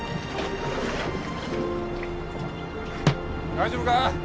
大丈夫か？